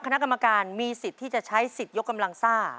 คณะกรรมการมีสิทธิ์ที่จะใช้สิทธิ์ยกกำลังซ่า